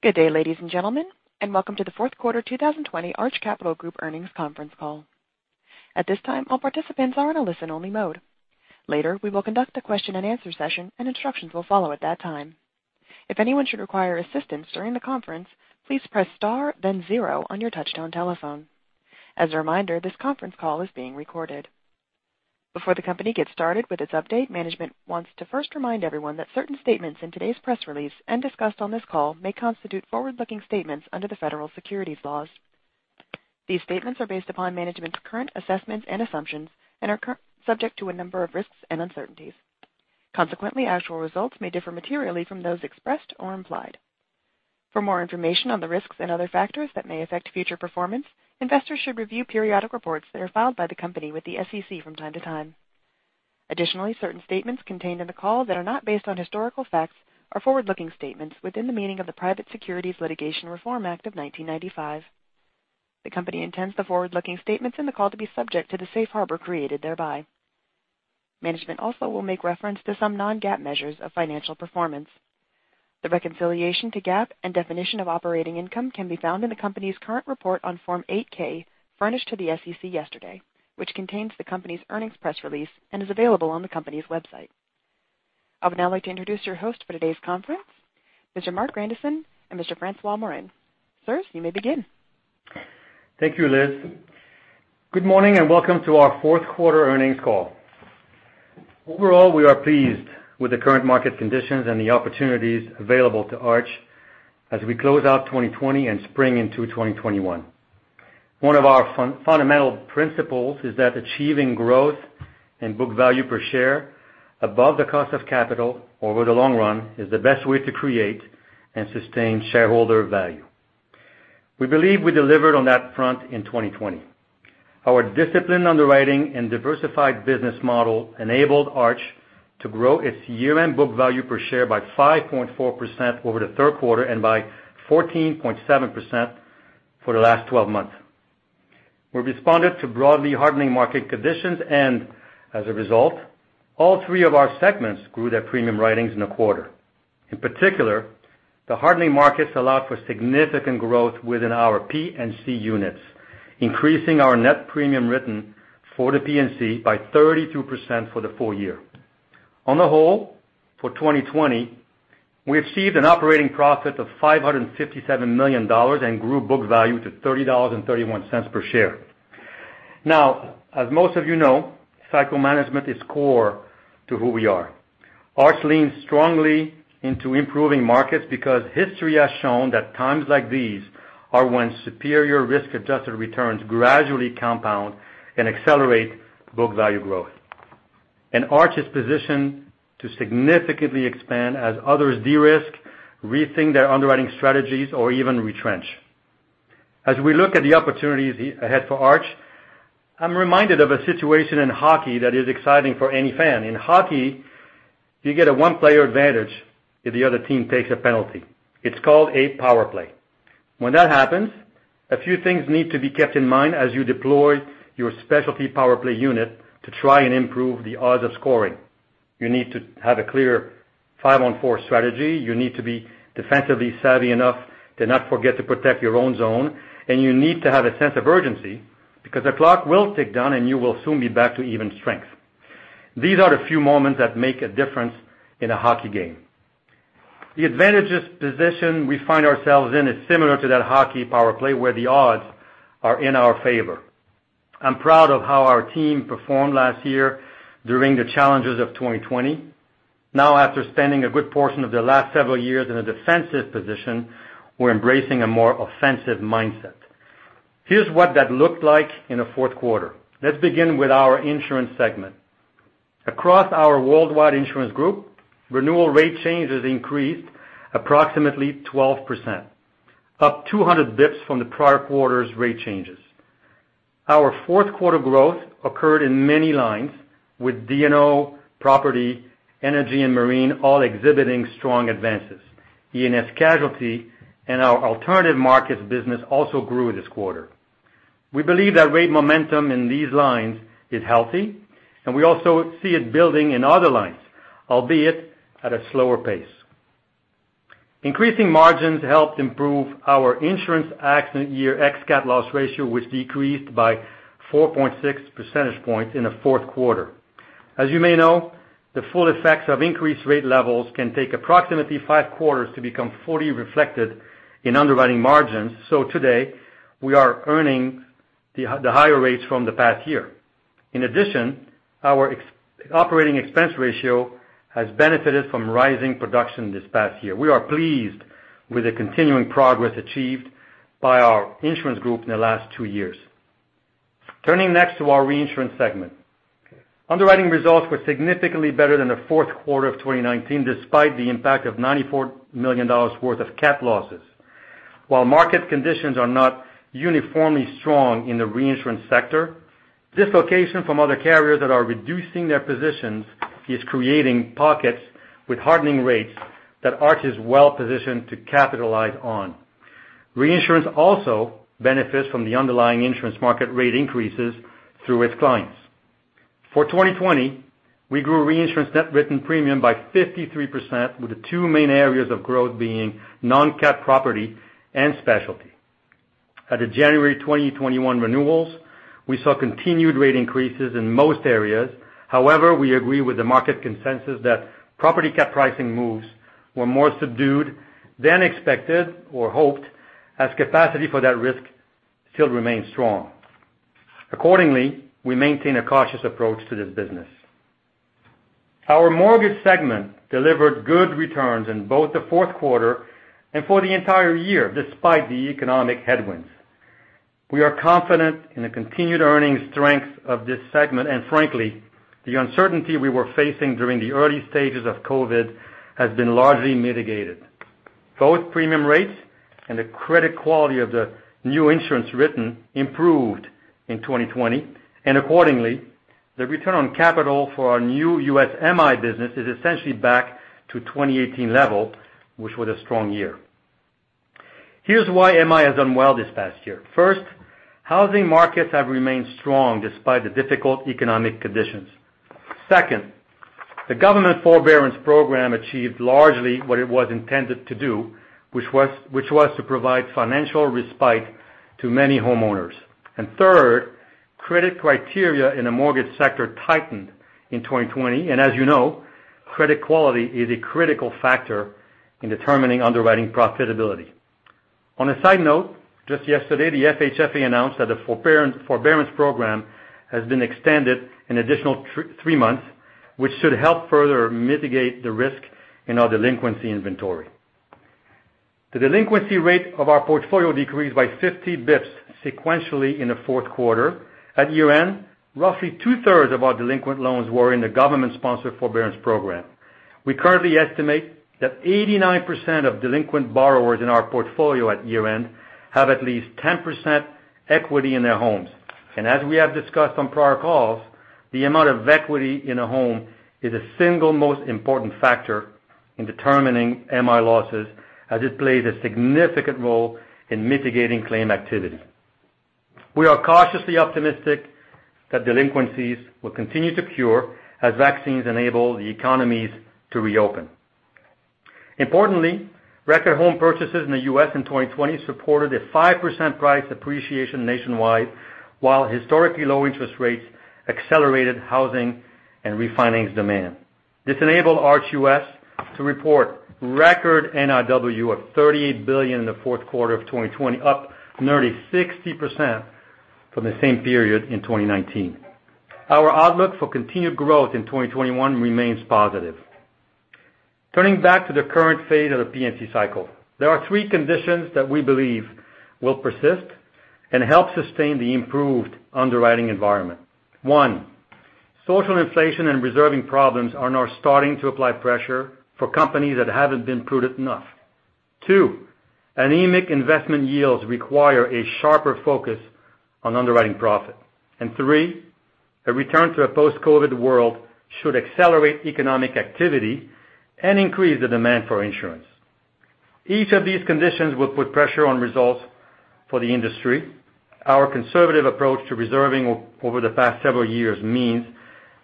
Good day, ladies and gentlemen, and welcome to the Q4 2020 Arch Capital Group Earnings Conference Call. At this time, all participants are in a listen-only mode. Later, we will conduct a Q&A session, and instructions will follow at that time. If anyone should require assistance during the conference, please press star then zero on your touch-tone telephone. As a reminder, this conference call is being recorded. Before the company gets started with its update, management wants to first remind everyone that certain statements in today's press release and discussed on this call may constitute forward-looking statements under the federal securities laws. These statements are based upon management's current assessments and assumptions and are subject to a number of risks and uncertainties. Consequently, actual results may differ materially from those expressed or implied. For more information on the risks and other factors that may affect future performance, investors should review periodic reports that are filed by the company with the SEC from time to time. Additionally, certain statements contained in the call that are not based on historical facts are forward-looking statements within the meaning of the Private Securities Litigation Reform Act of 1995. The company intends the forward-looking statements in the call to be subject to the safe harbor created thereby. Management also will make reference to some non-GAAP measures of financial performance. The reconciliation to GAAP and definition of operating income can be found in the company's current report on Form 8-K furnished to the SEC yesterday, which contains the company's earnings press release and is available on the company's website. I would now like to introduce your hosts for today's conference, Mr. Marc Grandisson and Mr. François Morin. Sir, you may begin. Thank you, Liz. Good morning and welcome to our Q4 earnings call. Overall, we are pleased with the current market conditions and the opportunities available to Arch as we close out 2020 and spring into 2021. One of our fundamental principles is that achieving growth and book value per share above the cost of capital over the long run is the best way to create and sustain shareholder value. We believe we delivered on that front in 2020. Our disciplined underwriting and diversified business model enabled Arch to grow its year-end book value per share by 5.4% over the Q3 and by 14.7% for the last 12 months. We responded to broadly hardening market conditions and, as a result, all three of our segments grew their premium ratings in the quarter. In particular, the hardening markets allowed for significant growth within our P&C units, increasing our net premium written for the P&C by 32% for the full year. On the whole, for 2020, we achieved an operating profit of $557 million and grew book value to $30.31 per share. Now, as most of you know, cycle management is core to who we are. Arch leans strongly into improving markets because history has shown that times like these are when superior risk-adjusted returns gradually compound and accelerate book value growth. And Arch is positioned to significantly expand as others de-risk, rethink their underwriting strategies, or even retrench. As we look at the opportunities ahead for Arch, I'm reminded of a situation in hockey that is exciting for any fan. In hockey, you get a one-player advantage if the other team takes a penalty. It's called a power play. When that happens, a few things need to be kept in mind as you deploy your specialty power play unit to try and improve the odds of scoring. You need to have a clear five-on-four strategy. You need to be defensively savvy enough to not forget to protect your own zone. And you need to have a sense of urgency because the clock will tick down and you will soon be back to even strength. These are the few moments that make a difference in a hockey game. The advantageous position we find ourselves in is similar to that hockey power play where the odds are in our favor. I'm proud of how our team performed last year during the challenges of 2020. Now, after spending a good portion of the last several years in a defensive position, we're embracing a more offensive mindset. Here's what that looked like in the Q4. Let's begin with our insurance segment. Across our worldwide insurance group, renewal rate changes increased approximately 12%, up 200 basis points from the prior quarter's rate changes. Our Q4 growth occurred in many lines with D&O, property, energy, and marine all exhibiting strong advances. E&S casualty and our alternative markets business also grew this quarter. We believe that rate momentum in these lines is healthy, and we also see it building in other lines, albeit at a slower pace. Increasing margins helped improve our insurance accident year ex-cat loss ratio, which decreased by 4.6 percentage points in the Q4. As you may know, the full effects of increased rate levels can take approximately five quarters to become fully reflected in underwriting margins. So today, we are earning the higher rates from the past year. In addition, our operating expense ratio has benefited from rising production this past year. We are pleased with the continuing progress achieved by our insurance group in the last two years. Turning next to our reinsurance segment, underwriting results were significantly better than the Q4 of 2019 despite the impact of $94 million worth of cat losses. While market conditions are not uniformly strong in the reinsurance sector, dislocation from other carriers that are reducing their positions is creating pockets with hardening rates that Arch is well positioned to capitalize on. Reinsurance also benefits from the underlying insurance market rate increases through its clients. For 2020, we grew reinsurance net written premium by 53% with the two main areas of growth being non-cat property and specialty. At the January 2021 renewals, we saw continued rate increases in most areas. However, we agree with the market consensus that property cat pricing moves were more subdued than expected or hoped as capacity for that risk still remains strong. Accordingly, we maintain a cautious approach to this business. Our mortgage segment delivered good returns in both the Q4 and for the entire year despite the economic headwinds. We are confident in the continued earnings strength of this segment and, frankly, the uncertainty we were facing during the early stages of COVID has been largely mitigated. Both premium rates and the credit quality of the new insurance written improved in 2020, and accordingly, the return on capital for our new US MI business is essentially back to 2018 level, which was a strong year. Here's why MI has done well this past year. First, housing markets have remained strong despite the difficult economic conditions. Second, the government forbearance program achieved largely what it was intended to do, which was to provide financial respite to many homeowners. And third, credit criteria in the mortgage sector tightened in 2020. And as you know, credit quality is a critical factor in determining underwriting profitability. On a side note, just yesterday, the FHFA announced that the forbearance program has been extended an additional three months, which should help further mitigate the risk in our delinquency inventory. The delinquency rate of our portfolio decreased by 50 basis points sequentially in the Q4. At year-end, roughly two-thirds of our delinquent loans were in the government-sponsored forbearance program. We currently estimate that 89% of delinquent borrowers in our portfolio at year-end have at least 10% equity in their homes. As we have discussed on prior calls, the amount of equity in a home is the single most important factor in determining MI losses as it plays a significant role in mitigating claim activity. We are cautiously optimistic that delinquencies will continue to cure as vaccines enable the economies to reopen. Importantly, record home purchases in the U.S. in 2020 supported a 5% price appreciation nationwide, while historically low interest rates accelerated housing and refinance demand. This enabled Arch U.S. to report record NIW of $38 billion in the Q4 of 2020, up nearly 60% from the same period in 2019. Our outlook for continued growth in 2021 remains positive. Turning back to the current phase of the P&C cycle, there are three conditions that we believe will persist and help sustain the improved underwriting environment. One, social inflation and reserving problems are now starting to apply pressure for companies that haven't been prudent enough. Two, anemic investment yields require a sharper focus on underwriting profit. And three, a return to a post-COVID world should accelerate economic activity and increase the demand for insurance. Each of these conditions will put pressure on results for the industry. Our conservative approach to reserving over the past several years means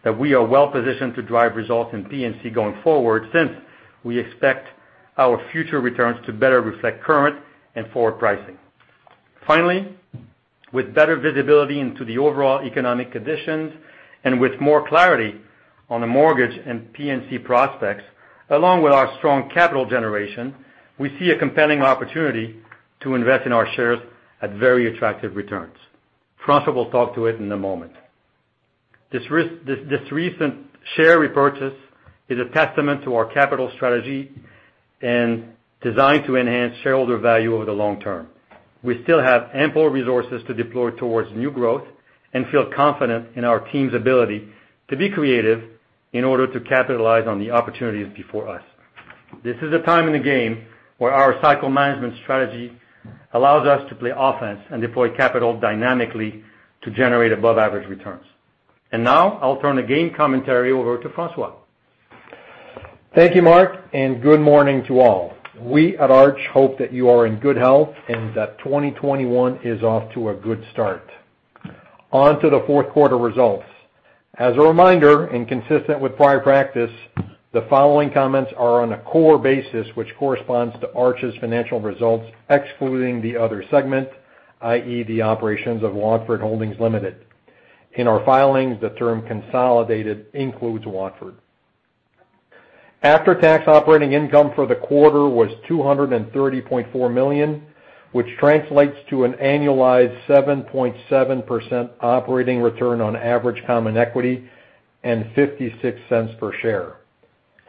that we are well positioned to drive results in P&C going forward since we expect our future returns to better reflect current and forward pricing. Finally, with better visibility into the overall economic conditions and with more clarity on the mortgage and P&C prospects, along with our strong capital generation, we see a compelling opportunity to invest in our shares at very attractive returns. François will talk to it in a moment. This recent share repurchase is a testament to our capital strategy and design to enhance shareholder value over the long term. We still have ample resources to deploy towards new growth and feel confident in our team's ability to be creative in order to capitalize on the opportunities before us. This is a time in the game where our cycle management strategy allows us to play offense and deploy capital dynamically to generate above-average returns, and now I'll turn the game commentary over to François. Thank you, Mark, and good morning to all. We at Arch hope that you are in good health and that 2021 is off to a good start. On to the Q4 results. As a reminder, and consistent with prior practice, the following comments are on a core basis which corresponds to Arch's financial results excluding the other segment, i.e., the operations of Watford Holdings Limited. In our filings, the term consolidated includes Watford. After-tax operating income for the quarter was $230.4 million, which translates to an annualized 7.7% operating return on average common equity and $0.56 per share.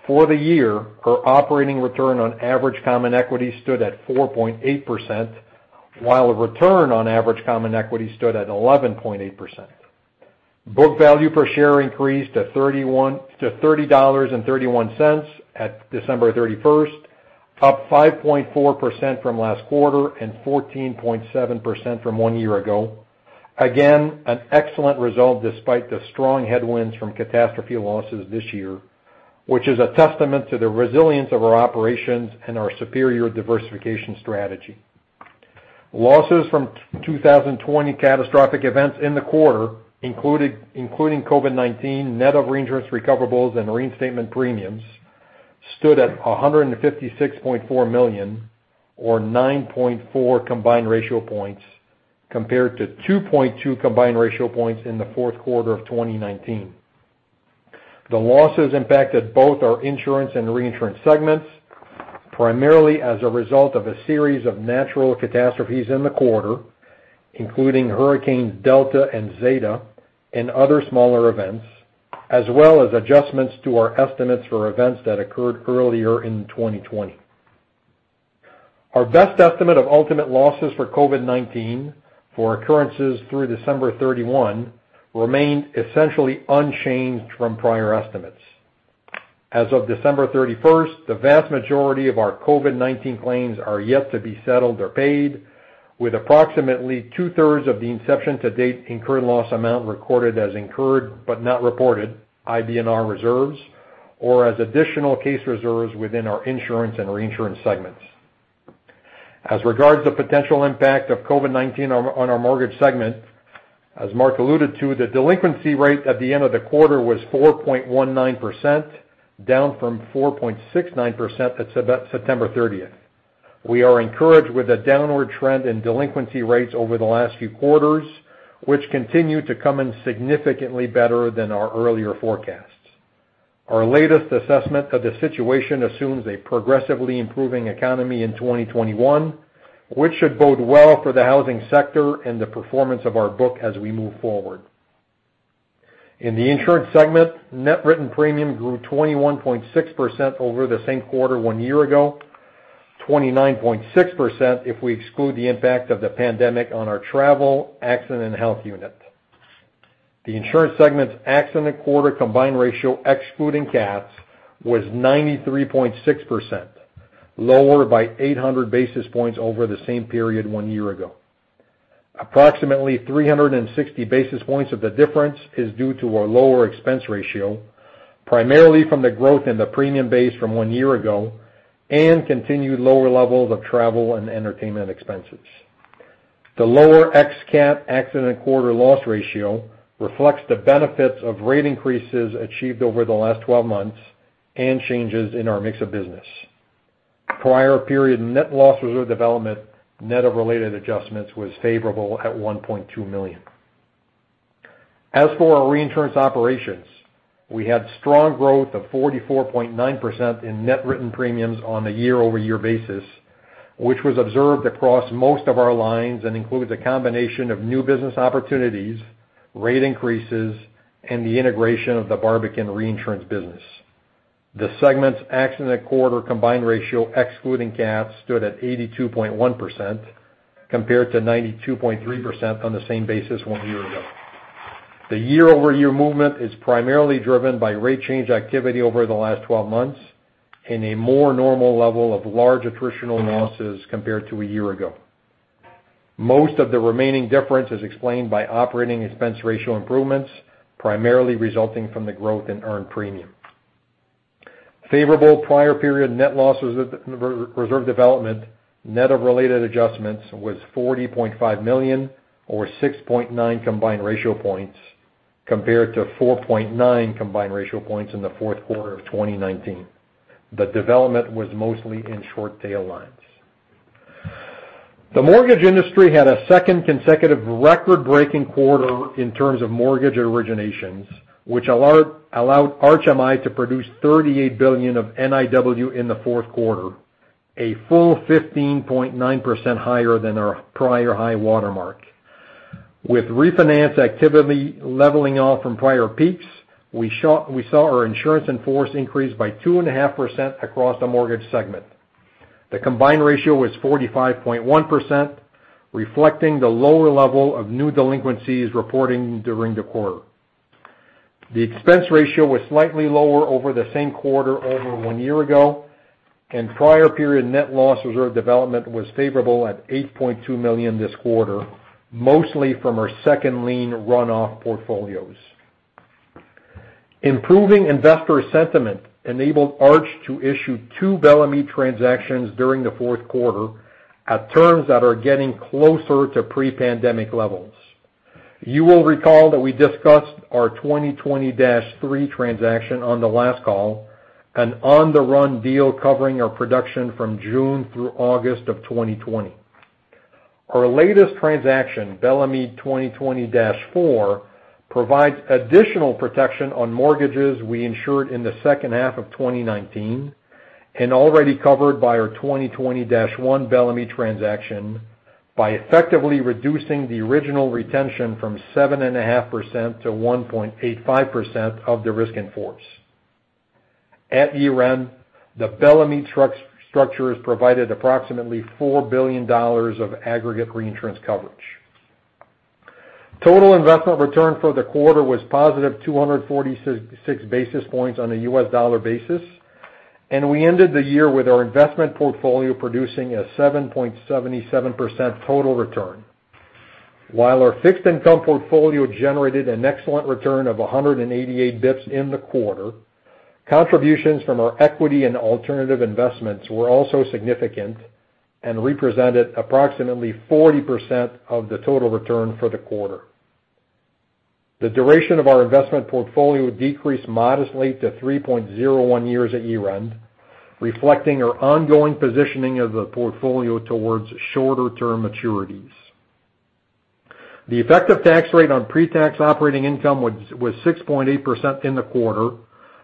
For the year, our operating return on average common equity stood at 4.8%, while a return on average common equity stood at 11.8%. Book value per share increased to $30.31 at December 31st, up 5.4% from last quarter and 14.7% from one year ago. Again, an excellent result despite the strong headwinds from catastrophe losses this year, which is a testament to the resilience of our operations and our superior diversification strategy. Losses from 2020 catastrophic events in the quarter, including COVID-19, net of reinsurance recoverables and reinstatement premiums, stood at $156.4 million or 9.4 combined ratio points compared to 2.2 combined ratio points in the Q4 of 2019. The losses impacted both our insurance and reinsurance segments, primarily as a result of a series of natural catastrophes in the quarter, including Hurricane Delta and Zeta and other smaller events, as well as adjustments to our estimates for events that occurred earlier in 2020. Our best estimate of ultimate losses for COVID-19 for occurrences through December 31 remained essentially unchanged from prior estimates. As of December 31st, the vast majority of our COVID-19 claims are yet to be settled or paid, with approximately two-thirds of the inception-to-date incurred loss amount recorded as incurred but not reported, i.e., in our reserves or as additional case reserves within our insurance and reinsurance segments. As regards the potential impact of COVID-19 on our mortgage segment, as Marc alluded to, the delinquency rate at the end of the quarter was 4.19%, down from 4.69% at September 30th. We are encouraged with a downward trend in delinquency rates over the last few quarters, which continue to come in significantly better than our earlier forecasts. Our latest assessment of the situation assumes a progressively improving economy in 2021, which should bode well for the housing sector and the performance of our book as we move forward. In the insurance segment, net written premium grew 21.6% over the same quarter one year ago, 29.6% if we exclude the impact of the pandemic on our travel, accident, and health unit. The insurance segment's accident year combined ratio excluding cats was 93.6%, lower by 800 basis points over the same period one year ago. Approximately 360 basis points of the difference is due to our lower expense ratio, primarily from the growth in the premium base from one year ago and continued lower levels of travel and entertainment expenses. The lower ex-cat accident year loss ratio reflects the benefits of rate increases achieved over the last 12 months and changes in our mix of business. Prior period net loss reserve development net of related adjustments was favorable at $1.2 million. As for our reinsurance operations, we had strong growth of 44.9% in net written premiums on a year-over-year basis, which was observed across most of our lines and includes a combination of new business opportunities, rate increases, and the integration of the Barbican reinsurance business. The segment's accident year combined ratio excluding cats stood at 82.1% compared to 92.3% on the same basis one year ago. The year-over-year movement is primarily driven by rate change activity over the last 12 months and a more normal level of large attritional losses compared to a year ago. Most of the remaining difference is explained by operating expense ratio improvements, primarily resulting from the growth in earned premium. Favorable prior period net loss reserve development net of related adjustments was $40.5 million or 6.9 combined ratio points compared to 4.9 combined ratio points in the Q4 of 2019. The development was mostly in short tail lines. The mortgage industry had a second consecutive record-breaking quarter in terms of mortgage originations, which allowed Arch MI to produce $38 billion of NIW in the Q4, a full 15.9% higher than our prior high watermark. With refinance activity leveling off from prior peaks, we saw our insurance in force increase by 2.5% across the mortgage segment. The combined ratio was 45.1%, reflecting the lower level of new delinquencies reporting during the quarter. The expense ratio was slightly lower over the same quarter over one year ago, and prior period net loss reserve development was favorable at $8.2 million this quarter, mostly from our second lien runoff portfolios. Improving investor sentiment enabled Arch to issue two Bellemeade transactions during the Q4 at terms that are getting closer to pre-pandemic levels. You will recall that we discussed our 2020-3 transaction on the last call, an on-the-run deal covering our production from June through August of 2020. Our latest transaction, Bellemeade 2020-4, provides additional protection on mortgages we insured in the second half of 2019 and already covered by our 2020-1 Bellemeade transaction by effectively reducing the original retention from 7.5% to 1.85% of the risk in force. At year-end, the Bellemeade structures provided approximately $4 billion of aggregate reinsurance coverage. Total investment return for the quarter was positive 246 basis points on a U.S. dollar basis, and we ended the year with our investment portfolio producing a 7.77% total return. While our fixed income portfolio generated an excellent return of 188 basis points in the quarter, contributions from our equity and alternative investments were also significant and represented approximately 40% of the total return for the quarter. The duration of our investment portfolio decreased modestly to 3.01 years at year-end, reflecting our ongoing positioning of the portfolio towards shorter-term maturities. The effective tax rate on pre-tax operating income was 6.8% in the quarter,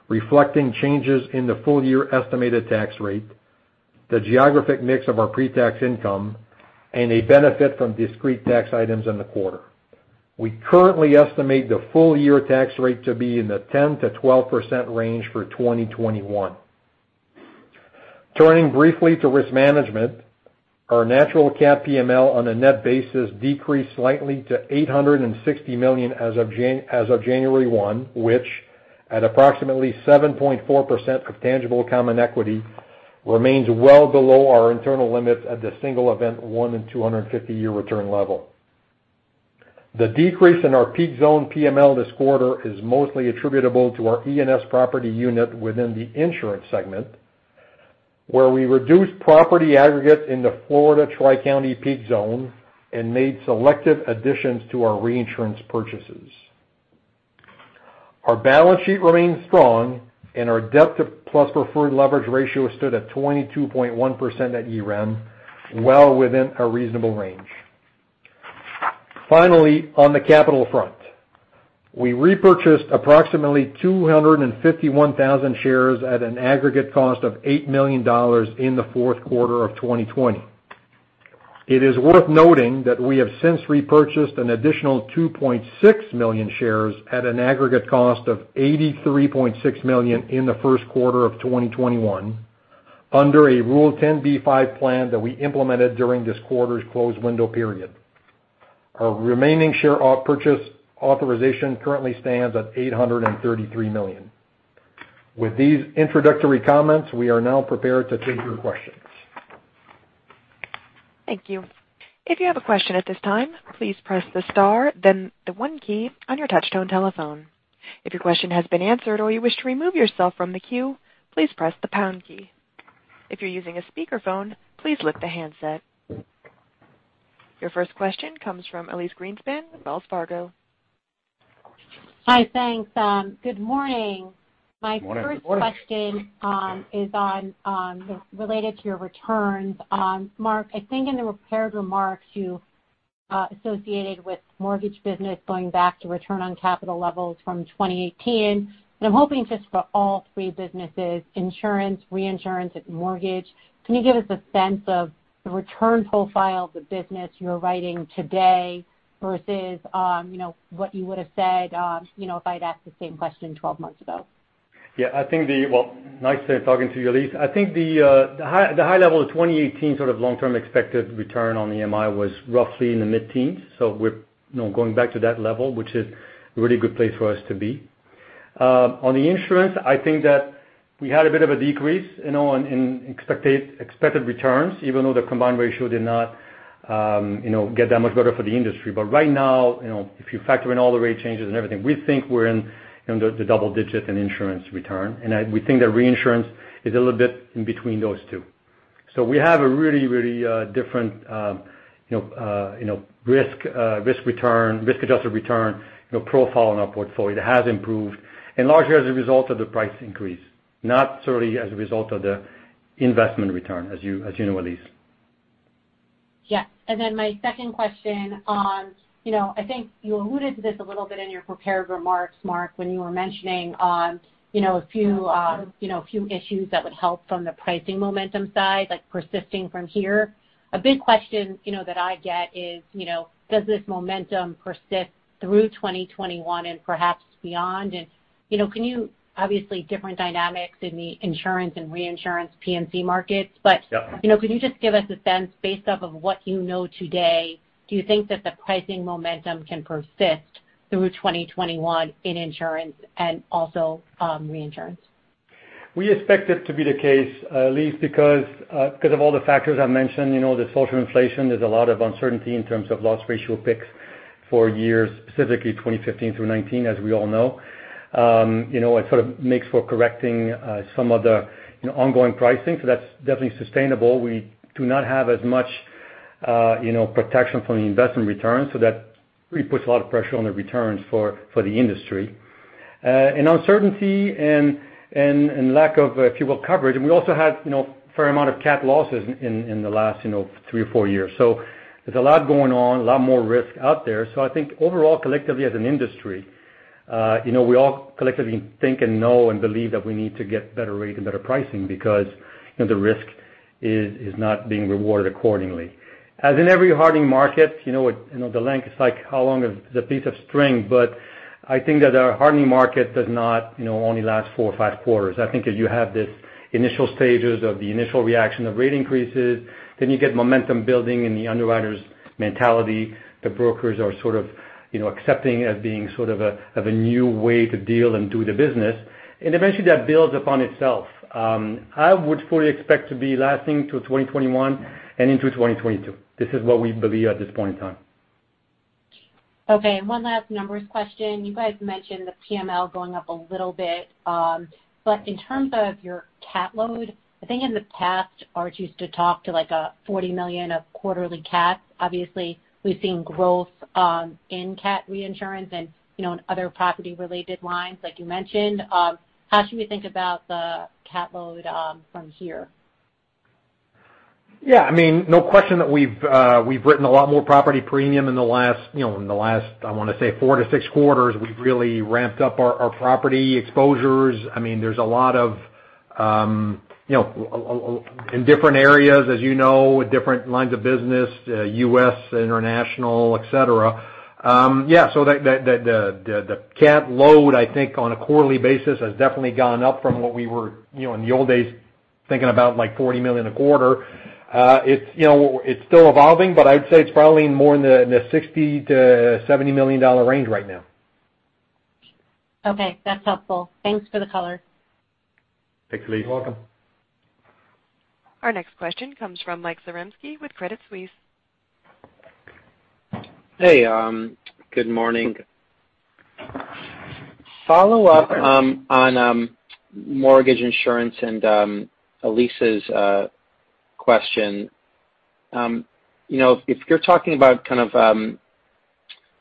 reflecting changes in the full-year estimated tax rate, the geographic mix of our pre-tax income, and a benefit from discrete tax items in the quarter. We currently estimate the full-year tax rate to be in the 10%-12% range for 2021. Turning briefly to risk management, our natural cap PML on a net basis decreased slightly to $860 million as of January 1, which, at approximately 7.4% of tangible common equity, remains well below our internal limits at the single event 1 and 250-year return level. The decrease in our peak zone PML this quarter is mostly attributable to our E&S property unit within the insurance segment, where we reduced property aggregates in the Florida Tri-County peak zone and made selective additions to our reinsurance purchases. Our balance sheet remained strong, and our debt-to-plus preferred leverage ratio stood at 22.1% at year-end, well within a reasonable range. Finally, on the capital front, we repurchased approximately 251,000 shares at an aggregate cost of $8 million in the Q4 of 2020. It is worth noting that we have since repurchased an additional 2.6 million shares at an aggregate cost of $83.6 million in the Q1 of 2021 under a Rule 10b5-1 plan that we implemented during this quarter's close window period. Our remaining share purchase authorization currently stands at $833 million. With these introductory comments, we are now prepared to take your questions. Thank you. If you have a question at this time, please press the star, then the one key on your touch-tone telephone. If your question has been answered or you wish to remove yourself from the queue, please press the pound key. If you're using a speakerphone, please lift the handset. Your first question comes from Elise Greenspan at Wells Fargo. Hi, thanks. Good morning. My first question is related to your returns. Marc, I think in the prepared remarks you associated the mortgage business going back to return on capital levels from 2018, and I'm hoping just for all three businesses: insurance, reinsurance, and mortgage. Can you give us a sense of the return profile of the business you're writing today versus what you would have said if I'd asked the same question 12 months ago? Yeah, I think. Well, nice talking to you, Elyse. I think the high level of 2018 sort of long-term expected return on EMI was roughly in the mid-teens, so we're going back to that level, which is a really good place for us to be. On the insurance, I think that we had a bit of a decrease in expected returns, even though the combined ratio did not get that much better for the industry. But right now, if you factor in all the rate changes and everything, we think we're in the double-digit in insurance return, and we think that reinsurance is a little bit in between those two. So we have a really, really different risk-adjusted return profile on our portfolio. It has improved, and largely as a result of the price increase, not solely as a result of the investment return, as you know, Elise. Yes. And then my second question on, I think you alluded to this a little bit in your prepared remarks, Marc, when you were mentioning a few issues that would help from the pricing momentum side, like persisting from here. A big question that I get is, does this momentum persist through 2021 and perhaps beyond? And obviously, different dynamics in the insurance and reinsurance P&C markets, but could you just give us a sense based off of what you know today, do you think that the pricing momentum can persist through 2021 in insurance and also reinsurance? We expect it to be the case, Elise, because of all the factors I mentioned, the social inflation. There's a lot of uncertainty in terms of loss ratio picks for years, specifically 2015 through 2019, as we all know. It sort of makes for correcting some of the ongoing pricing, so that's definitely sustainable. We do not have as much protection from the investment returns, so that really puts a lot of pressure on the returns for the industry, and uncertainty and lack of, if you will, coverage. We also had a fair amount of cat losses in the last three or four years. So there's a lot going on, a lot more risk out there. So I think overall, collectively as an industry, we all collectively think and know and believe that we need to get better rate and better pricing because the risk is not being rewarded accordingly. As in every hardening market, the length is like how long is a piece of string, but I think that our hardening market does not only last four or five quarters. I think if you have these initial stages of the initial reaction of rate increases, then you get momentum building in the underwriter's mentality. The brokers are sort of accepting as being sort of a new way to deal and do the business, and eventually that builds upon itself. I would fully expect to be lasting through 2021 and into 2022. This is what we believe at this point in time. Okay. One last numbers question. You guys mentioned the PML going up a little bit, but in terms of your cat load, I think in the past, Arch used to talk to like a $40 million of quarterly caps. Obviously, we've seen growth in cap reinsurance and in other property-related lines, like you mentioned. How should we think about the cat load from here? Yeah. I mean, no question that we've written a lot more property premium in the last, I want to say, four to six quarters. We've really ramped up our property exposures. I mean, there's a lot of, in different areas, as you know, different lines of business, U.S., international, etc. Yeah. So the cat load, I think, on a quarterly basis has definitely gone up from what we were in the old days thinking about like $40 million a quarter. It's still evolving, but I'd say it's probably more in the $60-$70 million range right now. Okay. That's helpful. Thanks for the color. Thanks, Elise. You're welcome. Our next question comes from Mike Zaremski with Credit Suisse. Hey. Good morning. Follow-up on mortgage insurance and Elise's question. If you're talking about kind of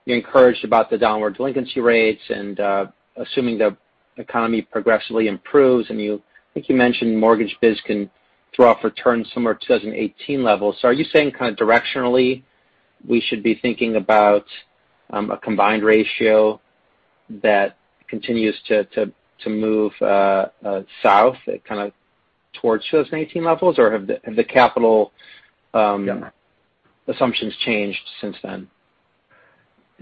you're encouraged about the downward delinquency rates and assuming the economy progressively improves, and I think you mentioned mortgage biz can throw off returns somewhere to 2018 levels. So are you saying kind of directionally we should be thinking about a combined ratio that continues to move south, kind of towards 2018 levels, or have the capital assumptions changed since then?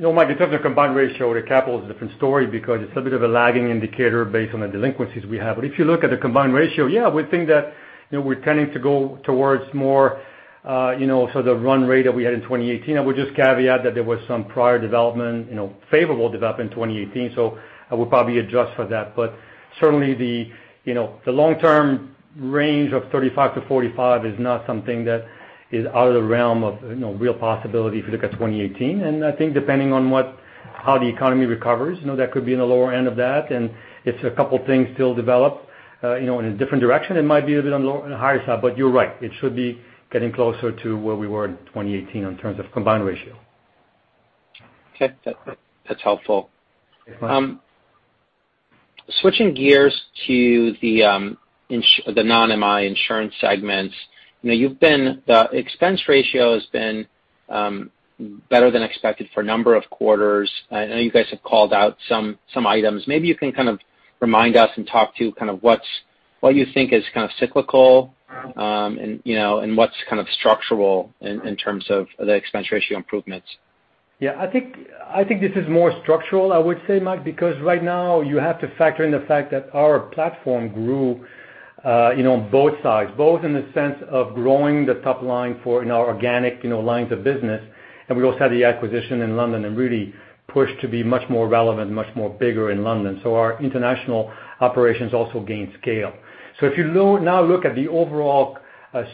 Mike, in terms of combined ratio, the capital is a different story because it's a bit of a lagging indicator based on the delinquencies we have. But if you look at the combined ratio, yeah, we think that we're tending to go towards more sort of the run rate that we had in 2018. I would just caveat that there was some prior development, favorable development in 2018, so I would probably adjust for that. But certainly, the long-term range of 35-45 is not something that is out of the realm of real possibility if you look at 2018. And I think depending on how the economy recovers, that could be in the lower end of that. And if a couple of things still develop in a different direction, it might be a bit on the higher side. But you're right. It should be getting closer to where we were in 2018 in terms of combined ratio. Okay. That's helpful. Switching gears to the non-MI insurance segments, the expense ratio has been better than expected for a number of quarters. I know you guys have called out some items. Maybe you can kind of remind us and talk to kind of what you think is kind of cyclical and what's kind of structural in terms of the expense ratio improvements. Yeah. I think this is more structural, I would say, Mike, because right now you have to factor in the fact that our platform grew on both sides, both in the sense of growing the top line in our organic lines of business. And we also had the acquisition in London and really pushed to be much more relevant, much more bigger in London. So our international operations also gained scale. So if you now look at the overall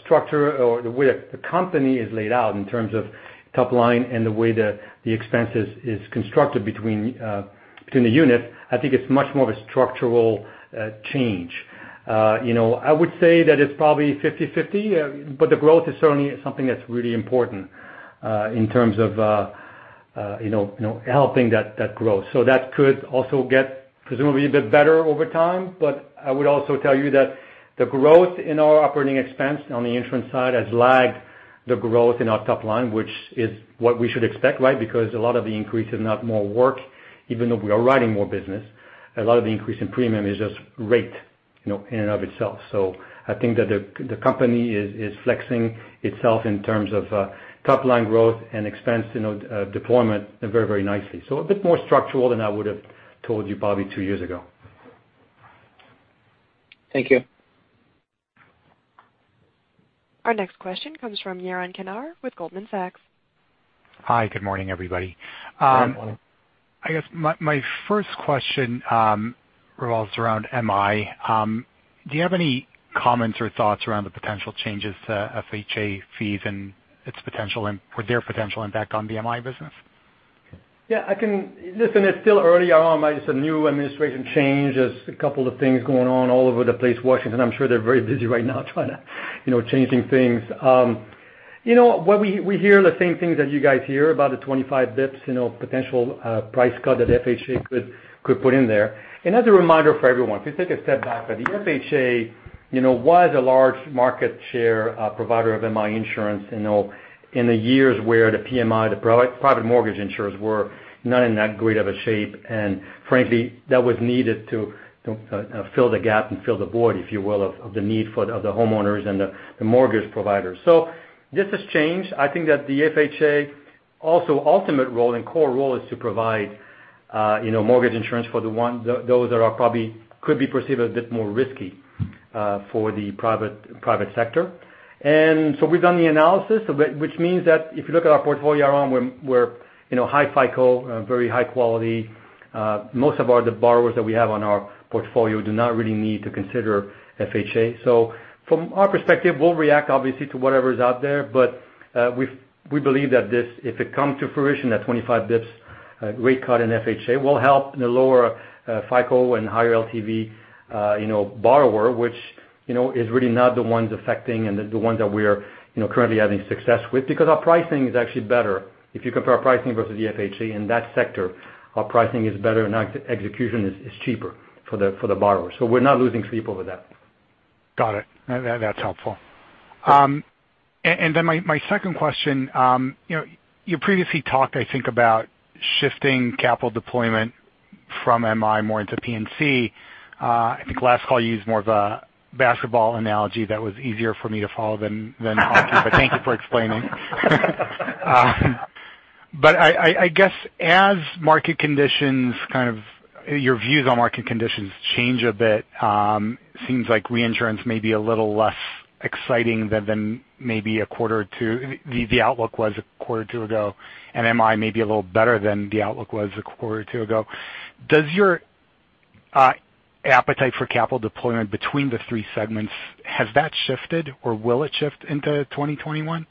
structure or the way the company is laid out in terms of top line and the way the expense is constructed between the units, I think it's much more of a structural change. I would say that it's probably 50/50, but the growth is certainly something that's really important in terms of helping that growth. So that could also get presumably a bit better over time, but I would also tell you that the growth in our operating expense on the insurance side has lagged the growth in our top line, which is what we should expect, right? Because a lot of the increase is not more work, even though we are writing more business. A lot of the increase in premium is just rate in and of itself. So I think that the company is flexing itself in terms of top line growth and expense deployment very, very nicely. So a bit more structural than I would have told you probably two years ago. Thank you. Our next question comes from Yaron Kinar with Goldman Sachs. Hi. Good morning, everybody. Good morning. I guess my first question revolves around MI. Do you have any comments or thoughts around the potential changes to FHA fees and their potential impact on the MI business? Yeah. Listen, it's still early on. It's a new administration change. There's a couple of things going on all over the place, Washington. I'm sure they're very busy right now changing things. We hear the same things that you guys hear about the 25 basis points potential price cut that FHA could put in there. And as a reminder for everyone, if you take a step back, the FHA was a large market share provider of MI insurance in the years where the PMI, the private mortgage insurers, were not in that great of a shape. And frankly, that was needed to fill the gap and fill the void, if you will, of the need for the homeowners and the mortgage providers. So this has changed. I think that the FHA's ultimate role and core role is to provide mortgage insurance for those that could be perceived as a bit more risky for the private sector. And so we've done the analysis, which means that if you look at our portfolio around, we're high FICO, very high quality. Most of the borrowers that we have on our portfolio do not really need to consider FHA. So from our perspective, we'll react obviously to whatever is out there, but we believe that if it comes to fruition, that 25 basis points rate cut in FHA will help the lower FICO and higher LTV borrower, which is really not the ones affecting and the ones that we're currently having success with because our pricing is actually better. If you compare our pricing versus the FHA in that sector, our pricing is better and execution is cheaper for the borrower. So we're not losing sleep over that. Got it. That's helpful. And then my second question, you previously talked, I think, about shifting capital deployment from MI more into P&C. I think last call you used more of a basketball analogy that was easier for me to follow than hockey, but thank you for explaining. But I guess as market conditions, kind of your views on market conditions change a bit, it seems like reinsurance may be a little less exciting than maybe a quarter or two, the outlook was a quarter or two ago, and MI may be a little better than the outlook was a quarter or two ago. Does your appetite for capital deployment between the three segments, has that shifted or will it shift into 2021?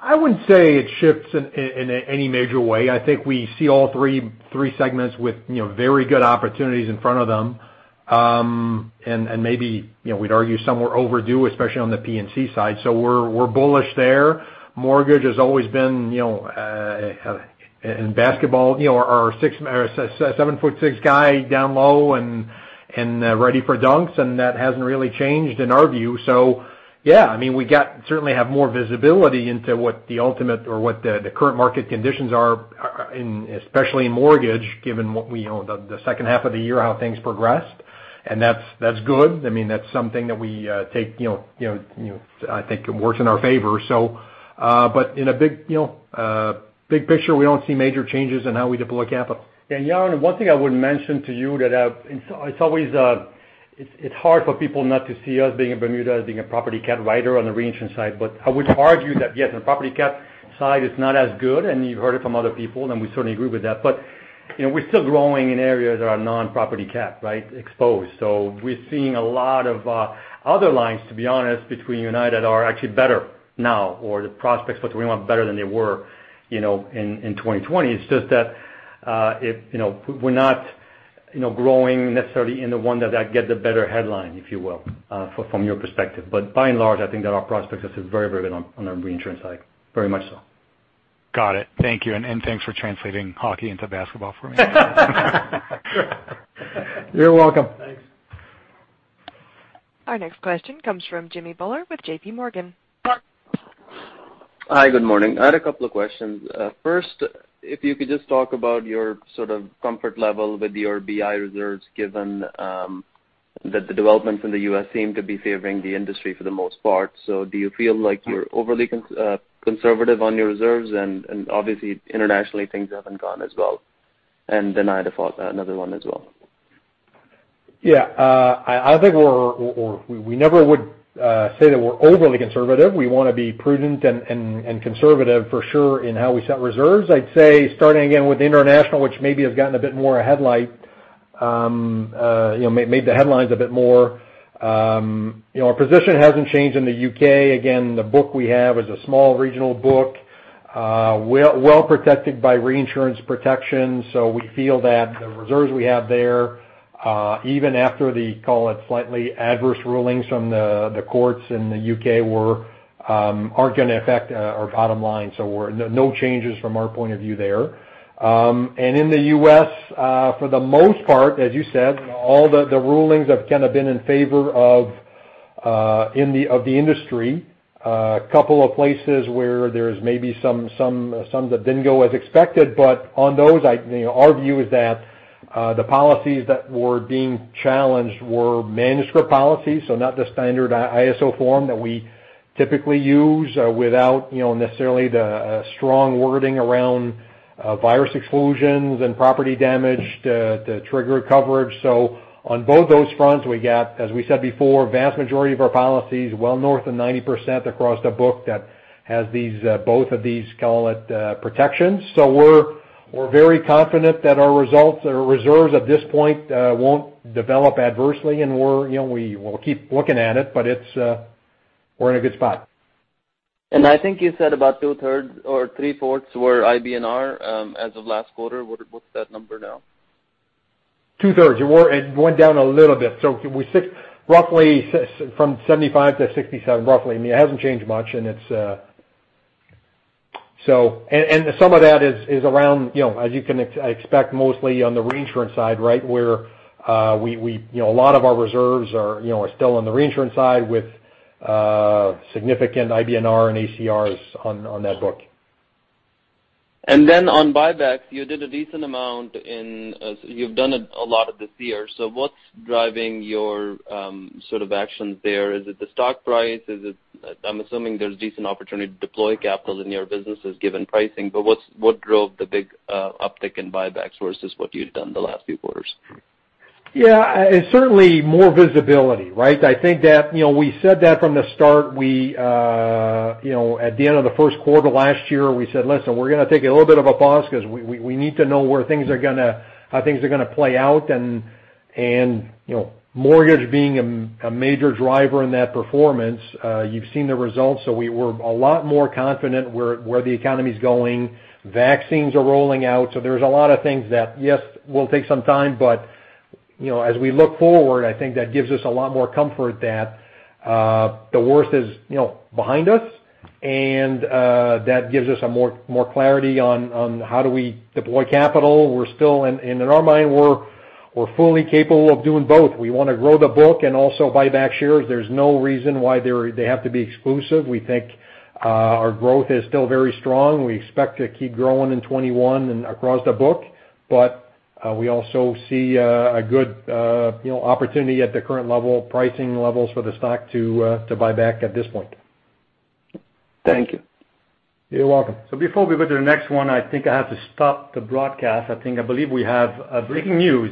I wouldn't say it shifts in any major way. I think we see all three segments with very good opportunities in front of them, and maybe we'd argue somewhat overdue, especially on the P&C side. So we're bullish there. Mortgage has always been in basketball, our 7'6" guy down low and ready for dunks, and that hasn't really changed in our view. So yeah, I mean, we certainly have more visibility into what the ultimate or what the current market conditions are, especially in mortgage, given the second half of the year, how things progressed. And that's good. I mean, that's something that we take, I think, works in our favor. But in a big picture, we don't see major changes in how we deploy capital. Yeah. Yaron, one thing I would mention to you that it's hard for people not to see us being a Bermuda, being a property cat writer on the reinsurance side, but I would argue that, yes, on the property cat side, it's not as good, and you've heard it from other people, and we certainly agree with that. But we're still growing in areas that are non-property cat, right, exposed. So we're seeing a lot of other lines, to be honest, in other units are actually better now, or the prospects for 2021 are better than they were in 2020. It's just that we're not growing necessarily in the one that gets the better headline, if you will, from your perspective. But by and large, I think that our prospects are very, very good on the reinsurance side. Very much so. Got it. Thank you. And thanks for translating hockey into basketball for me. You're welcome. Thanks. Our next question comes from Jimmy Bhullar with JPMorgan. Hi. Good morning. I had a couple of questions. First, if you could just talk about your sort of comfort level with your BI reserves, given that the developments in the US seem to be favoring the industry for the most part. So do you feel like you're overly conservative on your reserves? And obviously, internationally, things haven't gone as well. And then I had another one as well. Yeah. I think we never would say that we're overly conservative. We want to be prudent and conservative for sure in how we set reserves. I'd say starting again with international, which maybe has gotten a bit more heat lately, made the headlines a bit more. Our position hasn't changed in the U.K. Again, the book we have is a small regional book, well protected by reinsurance protection. So we feel that the reserves we have there, even after the, call it, slightly adverse rulings from the courts in the U.K., aren't going to affect our bottom line. So no changes from our point of view there. And in the U.S., for the most part, as you said, all the rulings have kind of been in favor of the industry. A couple of places where there's maybe some that didn't go as expected, but on those, our view is that the policies that were being challenged were manuscript policies, so not the standard ISO form that we typically use without necessarily the strong wording around virus exclusions and property damage to trigger coverage. So on both those fronts, we got, as we said before, the vast majority of our policies well north of 90% across the book that has both of these, call it, protections. So we're very confident that our reserves at this point won't develop adversely, and we'll keep looking at it, but we're in a good spot. I think you said about two-thirds or three-fourths were IBNR as of last quarter. What's that number now? Two-thirds. It went down a little bit. So we're roughly from 75 to 67, roughly. I mean, it hasn't changed much, and it's some of that is around, as you can expect, mostly on the reinsurance side, right, where a lot of our reserves are still on the reinsurance side with significant IBNR and ACRs on that book. And then on buybacks, you did a decent amount, and you've done a lot of this year. So what's driving your sort of actions there? Is it the stock price? I'm assuming there's a decent opportunity to deploy capital in your businesses given pricing, but what drove the big uptick in buybacks versus what you've done the last few quarters? Yeah. Certainly, more visibility, right? I think that we said that from the start. At the end of the Q1 last year, we said, "Listen, we're going to take a little bit of a pause because we need to know where things are going to play out, and mortgage being a major driver in that performance, you've seen the results." So we were a lot more confident where the economy's going. Vaccines are rolling out. So there's a lot of things that, yes, will take some time, but as we look forward, I think that gives us a lot more comfort that the worst is behind us, and that gives us more clarity on how do we deploy capital. In our mind, we're fully capable of doing both. We want to grow the book and also buy back shares. There's no reason why they have to be exclusive. We think our growth is still very strong. We expect to keep growing in 2021 and across the book, but we also see a good opportunity at the current level pricing levels for the stock to buy back at this point. Thank you. You're welcome. So before we go to the next one, I think I have to stop the broadcast. I believe we have breaking news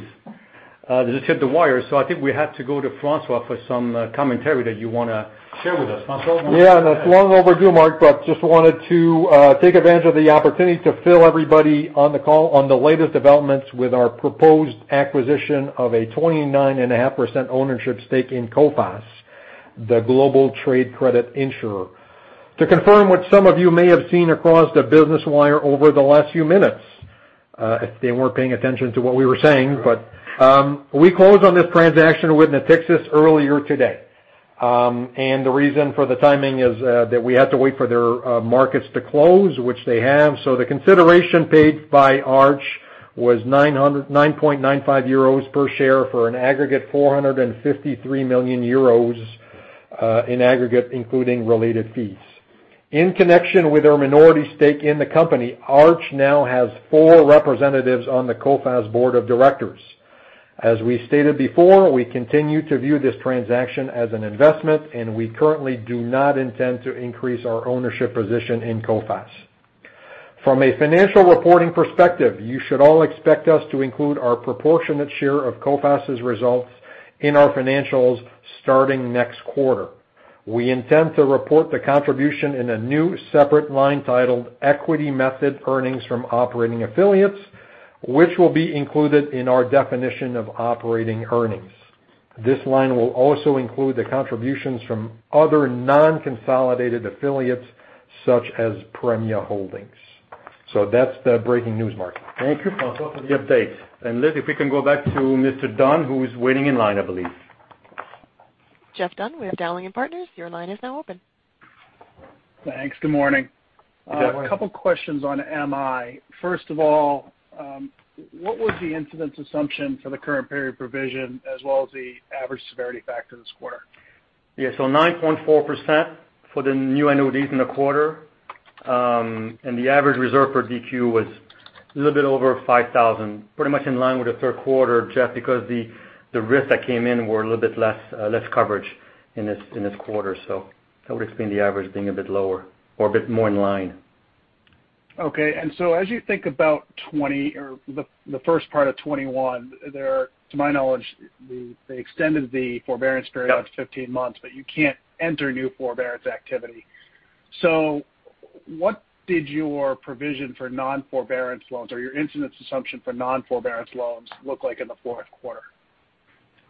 that just hit the wire. So I think we have to go to François for some commentary that you want to share with us. Yeah. That's long overdue, Mark, but just wanted to take advantage of the opportunity to fill everybody on the call on the latest developments with our proposed acquisition of a 29.5% ownership stake in Coface, the global trade credit insurer. To confirm what some of you may have seen across the Business Wire over the last few minutes, if they weren't paying attention to what we were saying, but we closed on this transaction with Natixis earlier today. And the reason for the timing is that we had to wait for their markets to close, which they have. So the consideration paid by Arch was 9.95 euros per share for an aggregate 453 million euros in aggregate, including related fees. In connection with our minority stake in the company, Arch now has four representatives on the Coface board of directors. As we stated before, we continue to view this transaction as an investment, and we currently do not intend to increase our ownership position in Coface. From a financial reporting perspective, you should all expect us to include our proportionate share of Coface's results in our financials starting next quarter. We intend to report the contribution in a new separate line titled Equity Method Earnings from Operating Affiliates, which will be included in our definition of operating earnings. This line will also include the contributions from other non-consolidated affiliates such as Premia Holdings. So that's the breaking news, Mark. Thank you, François, for the update. And listen, if we can go back to Mr. Dunn, who's waiting in line, I believe. Jeff Dunn with Dowling & Partners, your line is now open. Thanks. Good morning. A couple of questions on MI. First of all, what was the incidence assumption for the current period provision as well as the average severity factor this quarter? Yeah. So 9.4% for the new annuities in the quarter, and the average reserve for DQ was a little bit over 5,000, pretty much in line with the Q3, Jeff, because the risks that came in were a little bit less coverage in this quarter. So that would explain the average being a bit lower or a bit more in line. Okay. And so as you think about the first part of 2021, to my knowledge, they extended the forbearance period by 15 months, but you can't enter new forbearance activity. So what did your provision for non-forbearance loans or your incidence assumption for non-forbearance loans look like in the Q4?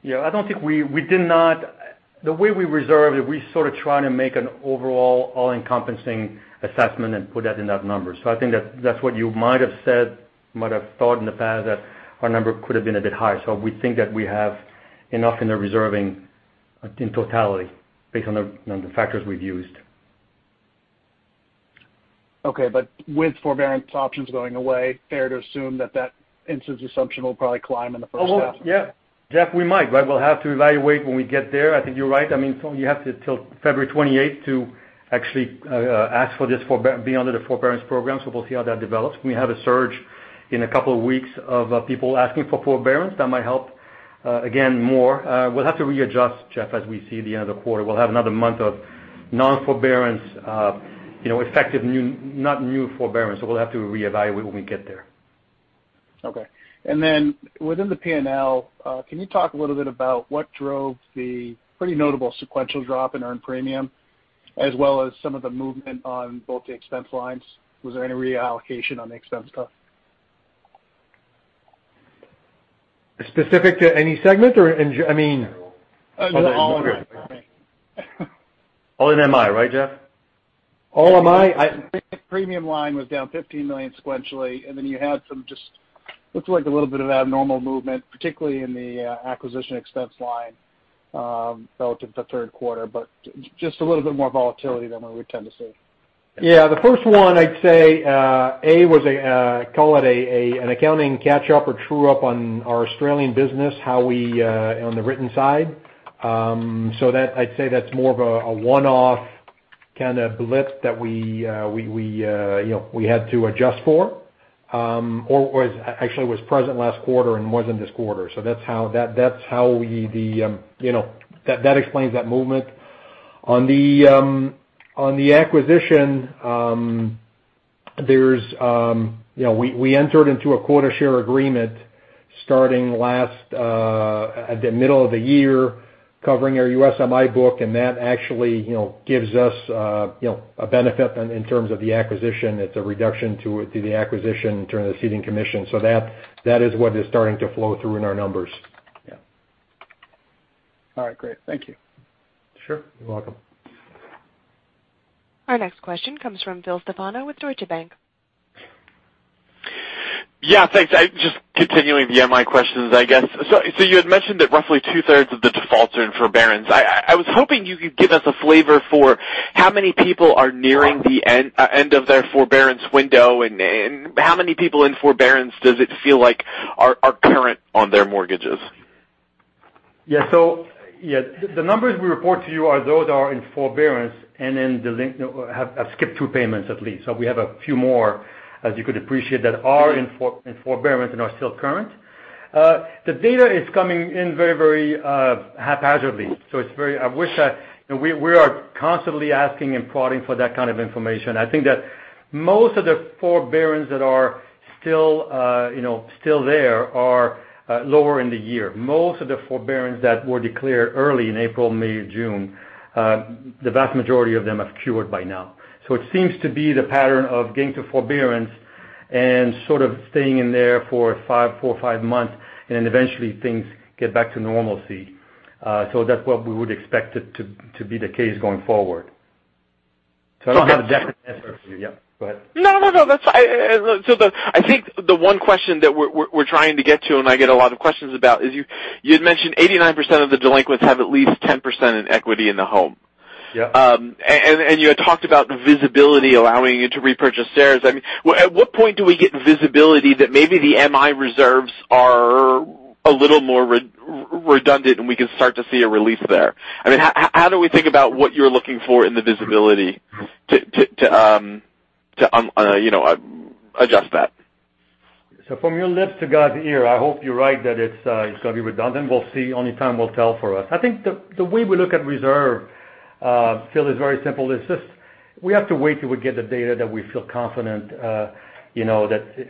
Yeah. I don't think we did not. The way we reserved, we sort of tried to make an overall all-encompassing assessment and put that in that number. So I think that's what you might have said, might have thought in the past that our number could have been a bit higher. So we think that we have enough in the reserving in totality based on the factors we've used. Okay. But with forbearance options going away, fair to assume that that incidence assumption will probably climb in the first half? Yeah. Jeff, we might, right? We'll have to evaluate when we get there. I think you're right. I mean, you have till February 28th to actually ask for this for being under the forbearance program. So we'll see how that develops. We have a surge in a couple of weeks of people asking for forbearance. That might help, again, more. We'll have to readjust, Jeff, as we see the end of the quarter. We'll have another month of non-forbearance, effective, not new forbearance. So we'll have to reevaluate when we get there. Okay. And then within the P&L, can you talk a little bit about what drove the pretty notable sequential drop in earned premium as well as some of the movement on both the expense lines? Was there any reallocation on the expense stuff? Specific to any segment or, I mean, all MI, right, Jeff? Arch MI premium line was down $15 million sequentially, and then you had some just looks like a little bit of abnormal movement, particularly in the acquisition expense line relative to Q3, but just a little bit more volatility than we would tend to see. Yeah. The first one, I'd say, A, was a, call it, an accounting catch-up or true-up on our Australian business, how we on the written side. So I'd say that's more of a one-off kind of blip that we had to adjust for or actually was present last quarter and wasn't this quarter. So that's how we that explains that movement. On the acquisition, we entered into a quota share agreement starting at the middle of the year covering our USMI book, and that actually gives us a benefit in terms of the acquisition. It's a reduction to the acquisition in terms of the ceding commission. So that is what is starting to flow through in our numbers. Yeah. All right. Great. Thank you. Sure. You're welcome. Our next question comes from Phil Stefano with Deutsche Bank. Yeah. Thanks. Just continuing the MI questions, I guess. So you had mentioned that roughly two-thirds of the defaults are in forbearance. I was hoping you could give us a flavor for how many people are nearing the end of their forbearance window and how many people in forbearance does it feel like are current on their mortgages? Yeah. So the numbers we report to you are those that are in forbearance and then have skipped two payments at least. So we have a few more, as you could appreciate, that are in forbearance and are still current. The data is coming in very, very haphazardly. So I wish that we are constantly asking and prodding for that kind of information. I think that most of the forbearance that are still there are lower in the year. Most of the forbearance that were declared early in April, May, June, the vast majority of them have cured by now. So it seems to be the pattern of getting to forbearance and sort of staying in there for four or five months, and then eventually things get back to normalcy. So that's what we would expect it to be the case going forward. So I don't have a definite answer for you. Yeah. Go ahead. No, no, no. So I think the one question that we're trying to get to, and I get a lot of questions about, is you had mentioned 89% of the delinquents have at least 10% in equity in the home. And you had talked about visibility allowing you to repurchase shares. I mean, at what point do we get visibility that maybe the MI reserves are a little more redundant and we can start to see a release there? I mean, how do we think about what you're looking for in the visibility to adjust that? So from your lips to God's ear. I hope you're right that it's going to be redundant. We'll see. Only time will tell for us. I think the way we look at reserve, Phil, is very simple. It's just we have to wait till we get the data that we feel confident that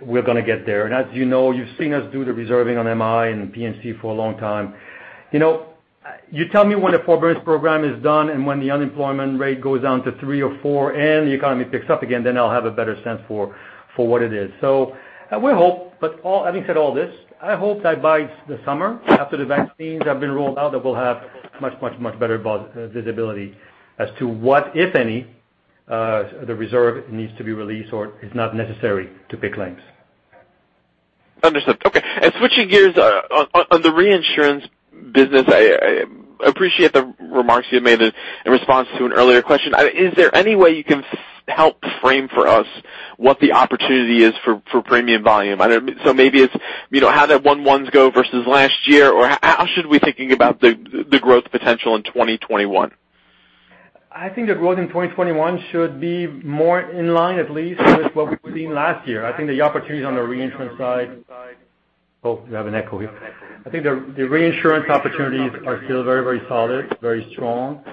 we're going to get there. And as you know, you've seen us do the reserving on MI and P&C for a long time. You tell me when the forbearance program is done and when the unemployment rate goes down to three or four and the economy picks up again, then I'll have a better sense for what it is. I hope, having said all this, I hope that by the summer, after the vaccines have been rolled out, that we'll have much, much, much better visibility as to what, if any, the reserve needs to be released or is not necessary to pick lengths. Understood. Okay. And switching gears on the reinsurance business, I appreciate the remarks you've made in response to an earlier question. Is there any way you can help frame for us what the opportunity is for premium volume? So maybe it's how did one-ones go versus last year, or how should we be thinking about the growth potential in 2021? I think the growth in 2021 should be more in line at least with what we've seen last year. I think the opportunities on the reinsurance side, oh, you have an echo here. I think the reinsurance opportunities are still very, very solid, very strong.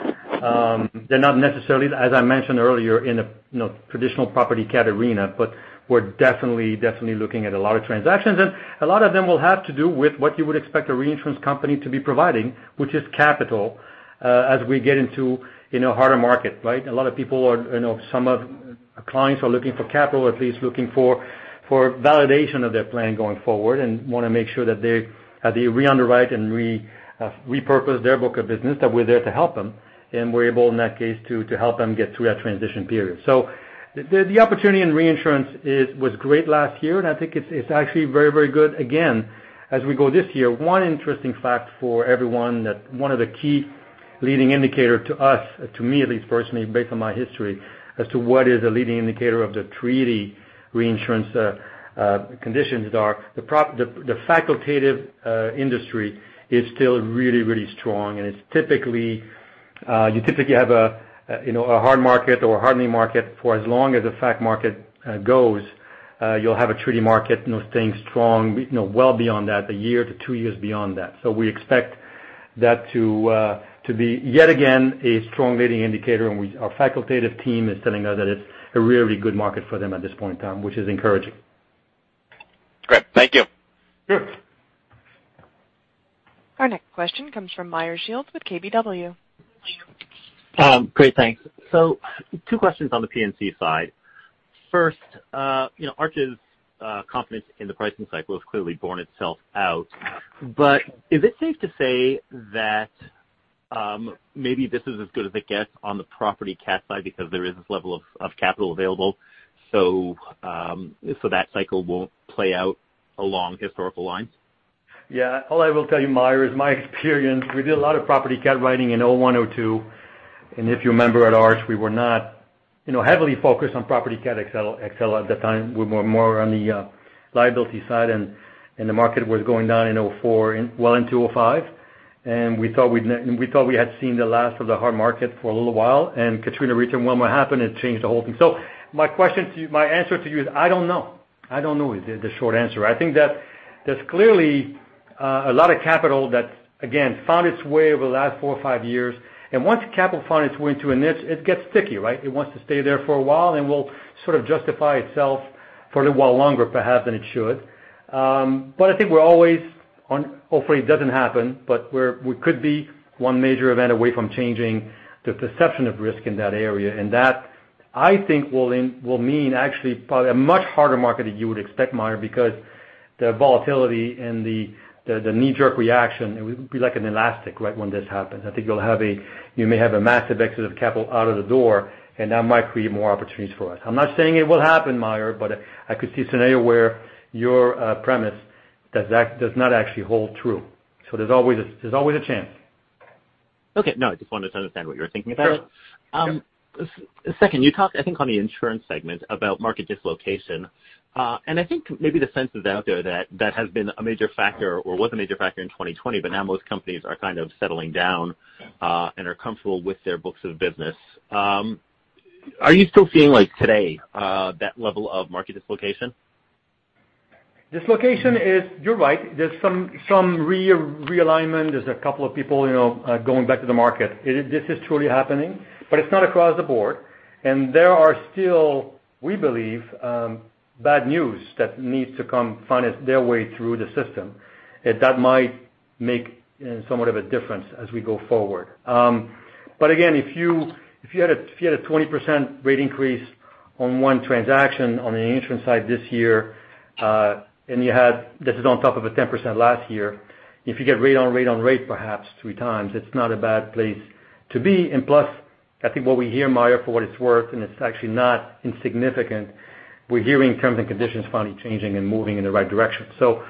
They're not necessarily, as I mentioned earlier, in a traditional property cat arena, but we're definitely, definitely looking at a lot of transactions, and a lot of them will have to do with what you would expect a reinsurance company to be providing, which is capital as we get into a harder market, right? A lot of people, some of our clients are looking for capital, at least looking for validation of their plan going forward and want to make sure that they re-underwrite and repurpose their book of business, that we're there to help them, and we're able, in that case, to help them get through that transition period. So the opportunity in reinsurance was great last year, and I think it's actually very, very good. Again, as we go this year, one interesting fact for everyone that one of the key leading indicators to us, to me at least personally, based on my history as to what is a leading indicator of the treaty reinsurance conditions are, the facultative industry is still really, really strong. And you typically have a hard market or a hardening market for as long as the fact market goes. You'll have a treaty market staying strong well beyond that, a year to two years beyond that. So we expect that to be, yet again, a strong leading indicator, and our facultative team is telling us that it's a really good market for them at this point in time, which is encouraging. Great. Thank you. Our next question comes from Meyer Shields with KBW. Great. Thanks. So two questions on the P&C side. First, Arch's confidence in the pricing cycle has clearly borne itself out. But is it safe to say that maybe this is as good as it gets on the property cat side because there is this level of capital available, so that cycle won't play out along historical lines? Yeah. All I will tell you, Meyer, is my experience. We did a lot of property cat writing in 2001, 2002. And if you remember at Arch, we were not heavily focused on property cat XL at the time. We were more on the liability side, and the market was going down in 2004, well into 2005. And we thought we had seen the last of the hard market for a little while, and Katrina returned when it happened and changed the whole thing. So my answer to you is I don't know. I don't know is the short answer. I think that there's clearly a lot of capital that, again, found its way over the last four or five years. And once capital finds its way into a niche, it gets sticky, right? It wants to stay there for a while, and it will sort of justify itself for a little while longer, perhaps, than it should, but I think we're always, hopefully, it doesn't happen, but we could be one major event away from changing the perception of risk in that area, and that, I think, will mean actually probably a much harder market than you would expect, Meyer, because the volatility and the knee-jerk reaction, it would be like an elastic, right, when this happens. I think you may have a massive exit of capital out of the door, and that might create more opportunities for us. I'm not saying it will happen, Meyer, but I could see a scenario where your premise does not actually hold true, so there's always a chance. Okay. No, I just wanted to understand what you're thinking about. Sure. Second, you talked, I think, on the insurance segment about market dislocation. And I think maybe the sense is out there that that has been a major factor or was a major factor in 2020, but now most companies are kind of settling down and are comfortable with their books of business. Are you still seeing today that level of market dislocation? Dislocation is, you're right. There's some realignment. There's a couple of people going back to the market. This is truly happening, but it's not across the board. And there are still, we believe, bad news that needs to come find their way through the system. That might make somewhat of a difference as we go forward. But again, if you had a 20% rate increase on one transaction on the insurance side this year, and you had, this is on top of a 10% last year, if you get rate on rate on rate, perhaps three times, it's not a bad place to be. And plus, I think what we hear, Meyer, for what it's worth, and it's actually not insignificant, we're hearing terms and conditions finally changing and moving in the right direction. So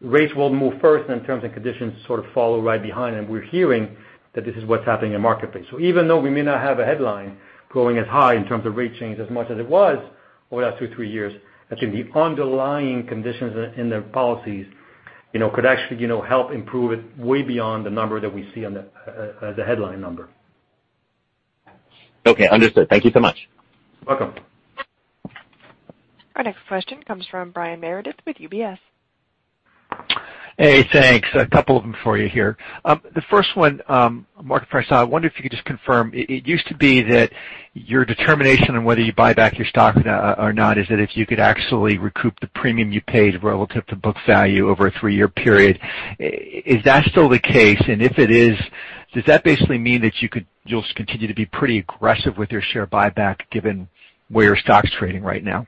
rates will move first, and terms and conditions sort of follow right behind. And we're hearing that this is what's happening in the marketplace. So even though we may not have a headline going as high in terms of rate change as much as it was over the last two, three years, I think the underlying conditions in their policies could actually help improve it way beyond the number that we see as a headline number. Okay. Understood. Thank you so much. You're welcome. Our next question comes from Brian Meredith with UBS. Hey, thanks. A couple of them for you here. The first one, Marc Grandisson, I wonder if you could just confirm it used to be that your determination on whether you buy back your stock or not is that if you could actually recoup the premium you paid relative to book value over a three-year period? Is that still the case? And if it is, does that basically mean that you'll continue to be pretty aggressive with your share buyback given where your stock's trading right now?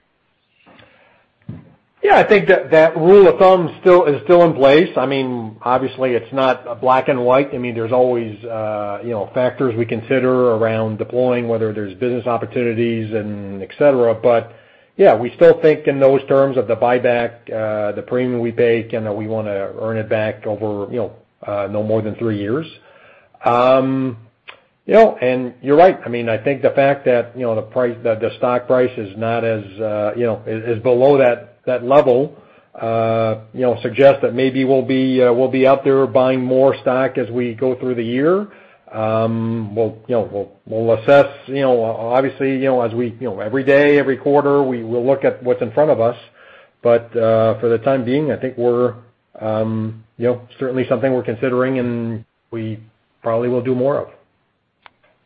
Yeah. I think that rule of thumb is still in place. I mean, obviously, it's not black and white. I mean, there's always factors we consider around deploying, whether there's business opportunities and etc. But yeah, we still think in those terms of the buyback, the premium we pay, and that we want to earn it back over no more than three years. And you're right. I mean, I think the fact that the stock price is not as below that level suggests that maybe we'll be out there buying more stock as we go through the year. We'll assess, obviously, as we every day, every quarter, we'll look at what's in front of us. But for the time being, I think we're certainly something we're considering, and we probably will do more of.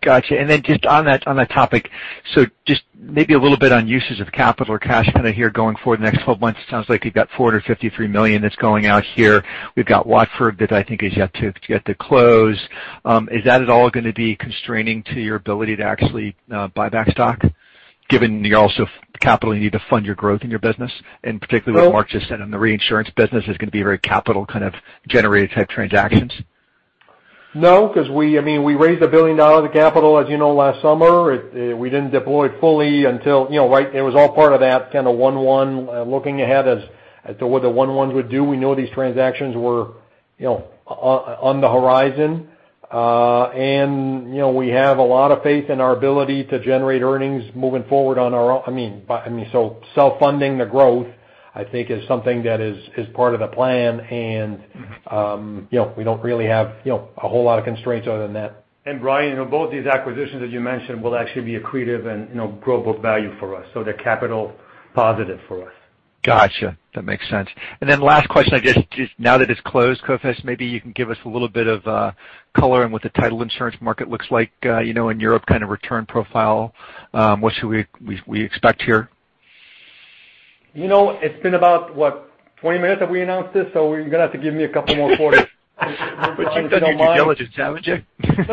Gotcha. And then just on that topic, so just maybe a little bit on uses of capital or cash kind of here going forward in the next 12 months. It sounds like you've got $453 million that's going out here. We've got Watford that I think is yet to close. Is that at all going to be constraining to your ability to actually buy back stock given you also have capital you need to fund your growth in your business? And particularly what Marc just said on the reinsurance business is going to be very capital kind of generated type transactions. No, because I mean, we raised $1 billion of capital, as you know, last summer. We didn't deploy it fully until it was all part of that kind of one-one looking ahead as to what the one-ones would do. We knew these transactions were on the horizon. And we have a lot of faith in our ability to generate earnings moving forward on our—I mean, so self-funding the growth, I think, is something that is part of the plan. And we don't really have a whole lot of constraints other than that. And Brian, both these acquisitions that you mentioned will actually be accretive and grow book value for us. So they're capital positive for us. Gotcha. That makes sense. And then last question, now that it's closed, Coface, maybe you can give us a little bit of color on what the title insurance market looks like in Europe, kind of return profile, what should we expect here? It's been about, what, 20 minutes that we announced this? So you're going to have to give me a couple more quarters. But you've done a lot of due diligence, haven't you?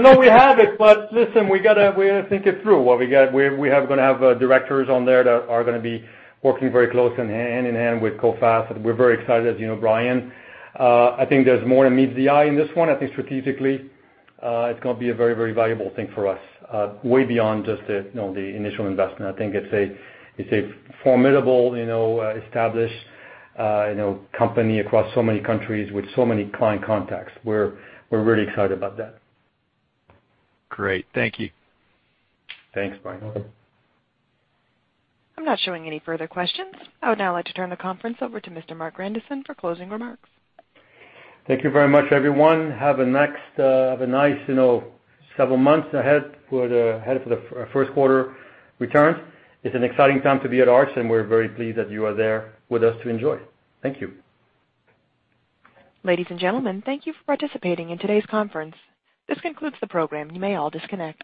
No, we have it. But listen, we got to think it through. We are going to have directors on there that are going to be working very close and hand in hand with Coface. We're very excited, as you know, Brian. I think there's more than meets the eye in this one. I think strategically, it's going to be a very, very valuable thing for us way beyond just the initial investment. I think it's a formidable, established company across so many countries with so many client contacts. We're really excited about that. Great. Thank you. Thanks, Brian. I'm not showing any further questions. I would now like to turn the conference over to Mr. Marc Grandisson for closing remarks. Thank you very much, everyone. Have a nice several months ahead for the Q1 returns. It's an exciting time to be at Arch, and we're very pleased that you are there with us to enjoy. Thank you. Ladies and gentlemen, thank you for participating in today's conference. This concludes the program. You may all disconnect.